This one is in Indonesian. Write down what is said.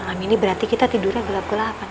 malam ini berarti kita tidurnya gelap gelapan